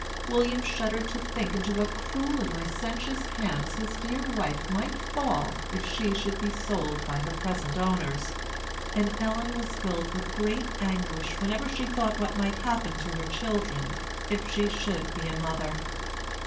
William shuddered to think into what cruel and licentious hands his dear wife might fall if she should be sold by her present owners; and Ellen was filled with great anguish whenever she thought what might happen to her children, if she should be a mother.